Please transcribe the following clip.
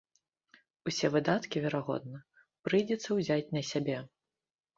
Усе выдаткі, верагодна, прыйдзецца ўзяць на сябе.